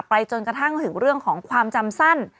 จนกระทั่งถึงเรื่องของความจำสั้น